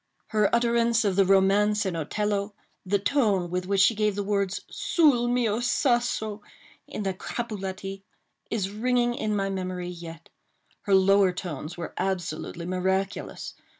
Her utterance of the romance in Otello—the tone with which she gave the words "Sul mio sasso," in the Capuletti—is ringing in my memory yet. Her lower tones were absolutely miraculous.